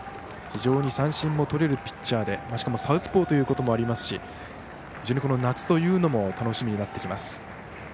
非常に三振もとれるピッチャーでしかもサウスポーということもありますし夏というのも楽しみになってきます。